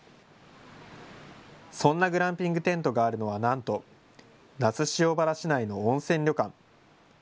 そんなグランピングテントがあるのはなんと、那須塩原市内の温泉旅館。